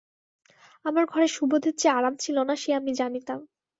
আমার ঘরে সুবোধের যে আরাম ছিল না সে আমি জানিতাম।